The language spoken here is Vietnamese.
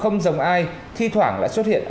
những dòng ai thi thoảng xuất hiện